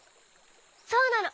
そうなの。